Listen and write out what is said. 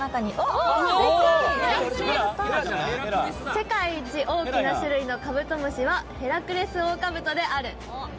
世界一大きな種類のカブトムシはヘラクレスオオカブトである。